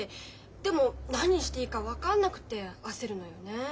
でも何していいか分かんなくって焦るのよね。